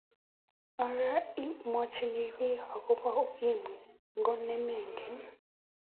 ara mwochini biik akobo ukimwi, ng'o nemenget?